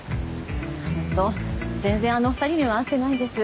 本当全然あの２人には会ってないんです。